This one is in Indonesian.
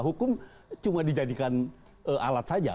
hukum cuma dijadikan alat saja